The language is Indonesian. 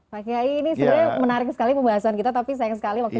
pak kiai ini sebenarnya menarik sekali pembahasan kita tapi sayang sekali waktu